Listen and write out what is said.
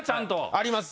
あります。